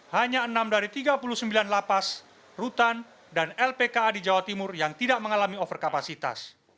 hanya enam dari tiga puluh sembilan lapas rutan dan lpka di jawa timur yang tidak mengalami overkapasitas